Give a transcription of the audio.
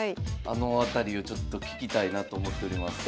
あの辺りをちょっと聞きたいなと思っております。